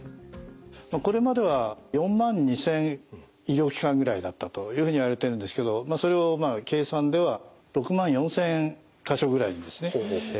これまでは４万２，０００医療機関ぐらいだったというふうにいわれてるんですけどそれを計算では６万４，０００か所ぐらいに拡大させる方針。